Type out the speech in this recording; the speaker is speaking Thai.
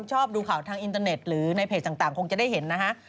ชอบดูข่าวทางอินเตอร์เน็ตหรือในเพจต่างคงจะได้เห็นนะฮะ